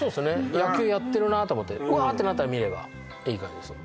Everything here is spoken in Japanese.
野球やってるなあと思ってワーッてなったら見ればいい感じですよね